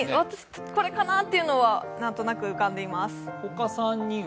これかなっていうのは何となく浮かんでいます。